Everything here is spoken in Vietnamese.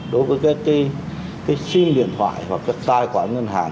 đối với cái sim điện thoại hoặc cái tài khoản ngân hàng